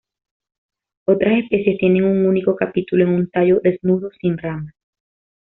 Otras especies tienen un único capítulo en un tallo desnudo sin ramas.